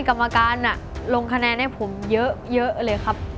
กรรมการลงคะแนนให้ผมเยอะเลยครับ